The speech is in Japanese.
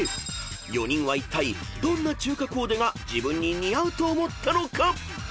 ［４人はいったいどんな中華コーデが自分に似合うと思ったのか］